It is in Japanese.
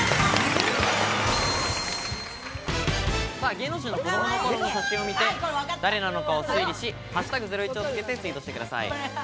芸能人の子どもの頃の写真を見て誰なのかを推理し、「＃ゼロイチ」をつけてツイートしてください。